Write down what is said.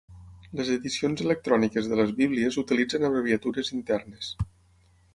Les edicions electròniques de les Bíblies utilitzen abreviatures internes.